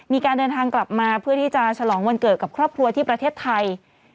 มีการเดินทางกลับมาเพื่อที่จะฉลองวันเกิดกับครอบครัวที่ประเทศไทย